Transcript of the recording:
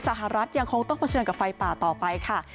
สหรัฐยังคงต้องเผชิญกับไฟป่าต่อไปค่ะ